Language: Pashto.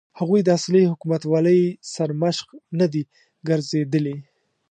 هغوی د اصلي حکومتولۍ سرمشق نه دي ګرځېدلي.